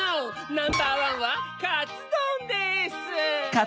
ナンバーワンはカツドンです！